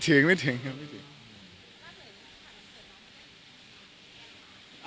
ของขวัญรับปริญญา